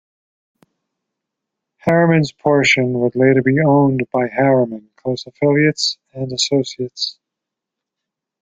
Harriman's portion would later be owned by Harriman, close affiliates and associates.